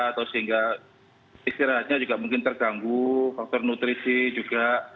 atau sehingga istirahatnya juga mungkin terganggu faktor nutrisi juga